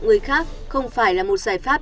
người khác không phải là một giải pháp